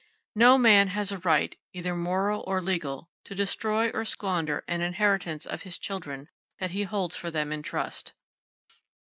No man has a right, either moral or legal, to destroy or squander an inheritance of his children that he holds for them in trust.